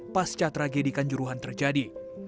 pasca tragedi kanjuruhan terjadi